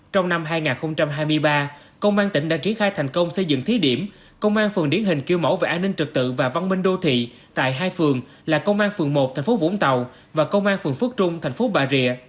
trong năm hai nghìn hai mươi ba công an tỉnh đã triển khai thành công xây dựng thí điểm công an phường điển hình kiểu mẫu về an ninh trực tự và văn minh đô thị tại hai phường là công an phường một thành phố vũng tàu và công an phường phước trung thành phố bà rịa